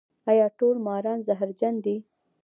ایا ټول ماران زهرجن دي؟